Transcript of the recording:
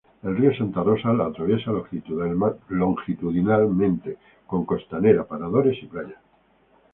El río Santa Rosa la atraviesa longitudinalmente, con costanera, paradores y playas.